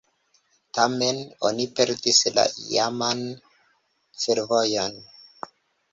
Tamen oni perdis la iaman fervojon.